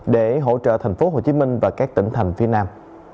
để hỗ trợ tp hcm và các tỉnh thành phía nam